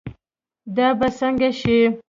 دا به سنګه شي